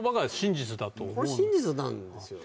これ真実なんですよね